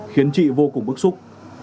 khiến chị vô cùng bức xúc